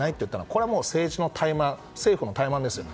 これは政治の怠慢政府の怠慢ですよ。